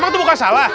emang itu bukan salah